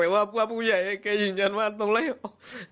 ก็พระผู้ใหญ่แกจริงแจว่าต้องร้อยออก